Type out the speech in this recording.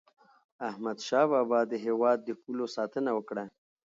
احمد شاه بابا د هیواد د پولو ساتنه وکړه.